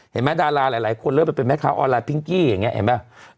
เห็นมั้ยดาราหลายคนเลิกไปเป็นแม่ข้าวออนไลน์พิงกี้อย่างเงี้ยเห็นมั้ย